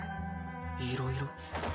いろいろ？